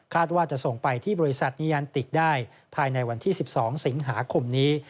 ว่าจะส่งไปที่บริษัทนียันติกได้ภายในวันที่๑๒สิงหาคมนี้